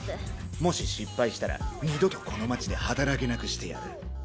もし失敗したら二度とこの街で働けなくしてやる。